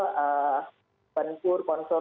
atau organisasi masyarakat sipil